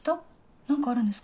何かあるんですか？